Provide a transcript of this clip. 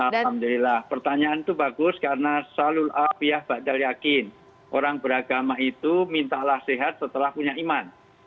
alhamdulillah pertanyaan itu bagus karena salul afiah badar yakin orang beragama itu mintalah sehat setelah punya iman